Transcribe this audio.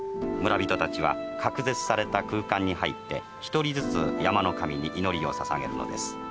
村人たちは隔絶された空間に入って一人ずつ山の神に祈りを捧げるのです」。